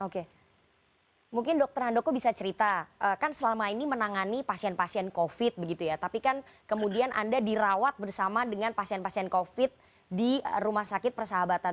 oke mungkin dokter handoko bisa cerita kan selama ini menangani pasien pasien covid begitu ya tapi kan kemudian anda dirawat bersama dengan pasien pasien covid di rumah sakit persahabatan